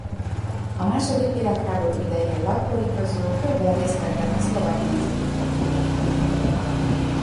A második világháború idején lakói közül többen részt vettek a szlovák nemzeti felkelésben.